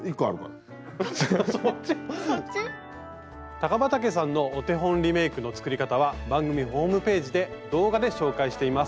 高畠さんのお手本リメイクの作り方は番組ホームページで動画で紹介しています。